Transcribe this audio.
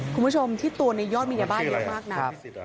คุณผู้ชมที่ตัวในยอดมียาบ้าเยอะมากนะ